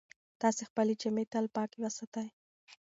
تاسې خپلې جامې تل پاکې وساتئ.